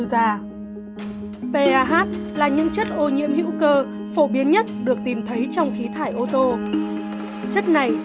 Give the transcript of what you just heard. da và hát là những chất ô nhiễm hữu cơ phổ biến nhất được tìm thấy trong khí thải ô tô chất này